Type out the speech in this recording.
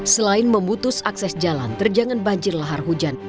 selain memutus akses jalan terjangan banjir lahar hujan